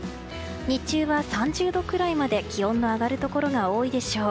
日中は３０度くらいまで気温が上がるところがあるでしょう。